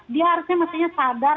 dia harusnya sadar